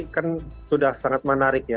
kan sudah sangat menarik ya